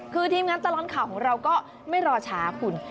คือทีมงานตลอดข่าวของเราก็ไม่รอช้าคุณ